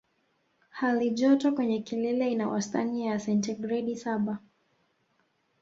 Hali joto kwenye kilele ina wastani ya sentigredi saba